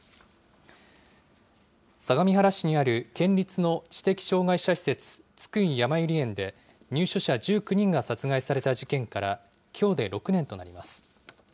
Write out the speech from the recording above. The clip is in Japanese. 相模原市にある県立の知的障害者施設、津久井やまゆり園で、入所者１９人が殺害された事件からきょうで６年となります。